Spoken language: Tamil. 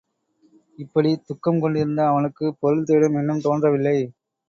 இப்படி துக்கம் கொண்டிருந்த அவனுக்குப் பொருள் தேடும் எண்ணம் தோன்றவில்லை.